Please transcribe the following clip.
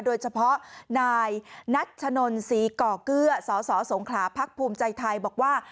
โดยเฉพาะนายนัชนนศรีก่อเกื้อสสสงขลาภักดิ์ภูมิใจไทยบอกว่า